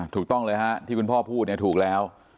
ถูกต้องเลยฮะที่คุณพ่อพูดเนี่ยถูกแล้ว